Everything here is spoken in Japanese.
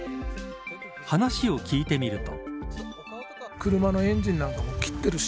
話を聞いてみると。